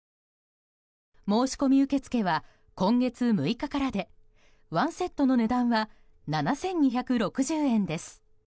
申し込み受け付けは今月６日からで１セットの値段は７２６０円です。